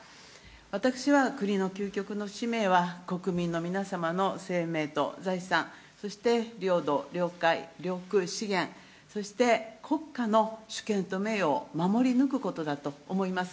私は国の究極の使命は、国民の皆様の生命と財産、そして領土、領海、領空、資源、そして国家の主権と名誉を守り抜くことだと思います。